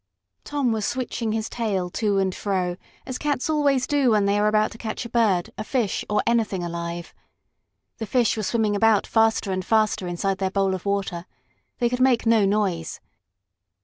Tom was switching his tail to and fro, as cats always do when they are about to catch a bird, a fish or anything alive. The fish were swimming about faster and faster inside their bowl of water. They could make no noise.